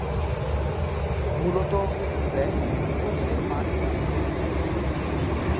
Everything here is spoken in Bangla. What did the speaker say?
মূলতঃ ব্যাটিং উদ্বোধনে মাঠে নামতেন।